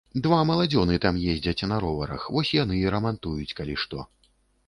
Два маладзёны там ездзяць на роварах, вось яны і рамантуюць, калі што.